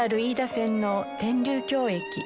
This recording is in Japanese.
線の天竜峡駅。